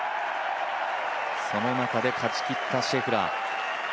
その中で勝ちきったシェフラー。